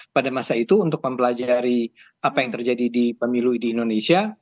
pada masa itu untuk mempelajari apa yang terjadi di pemilu di indonesia